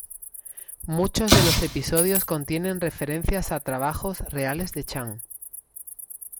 Muchos de los episodios contienen referencias a trabajos reales de Chan.